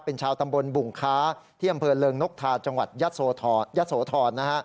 เป็นชาวตำบลบุงค้าที่อำเภอเริงนกทาจังหวัดยะโสธรนะฮะ